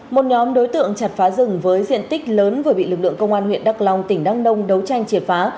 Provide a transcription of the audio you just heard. một nhóm đối tượng chặt phá rừng với diện tích lớn vừa bị lực lượng công an huyện đắk long tỉnh đăng nông đấu tranh triệt phá